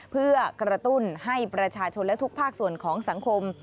เพื่อกระตุ้นให้ประชาชนและทุกภาคส่วนของสังคม